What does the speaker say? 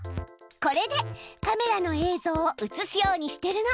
これでカメラの映像を映すようにしてるの。